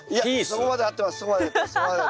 そこまで合ってます。